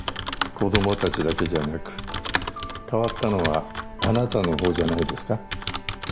子供たちだけじゃなく変わったのはあなたのほうじゃないですか？